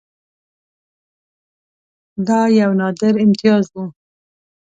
دا یو نادر امتیاز وو.